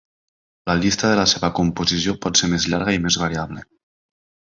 La llista de la seva composició pot ser més llarga i més variable.